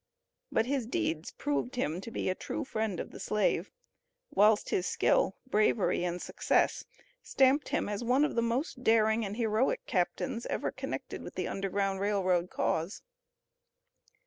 But his deeds proved him to be a true friend of the Slave; whilst his skill, bravery, and success stamped him as one of the most daring and heroic Captains ever connected with the Underground Rail Road cause.